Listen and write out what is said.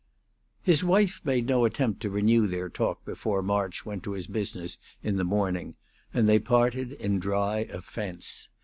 V. His wife made no attempt to renew their talk before March went to his business in the morning, and they parted in dry offence.